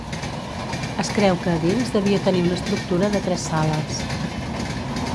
Es creu que a dins devia tenir una estructura de tres sales.